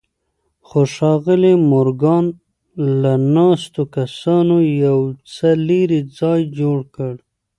خو ښاغلي مورګان له ناستو کسانو یو څه لرې ځای جوړ کړ